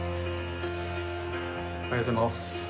おはようございます。